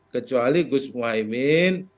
kecuali gus muhyiddin